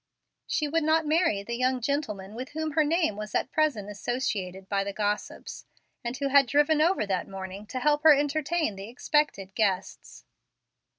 She would not marry the young gentleman with whom her name was at present associated by the gossips, and who had driven over that morning to help her entertain the expected guests.